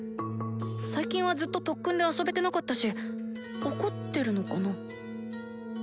最近はずっと特訓で遊べてなかったし怒ってるのかな。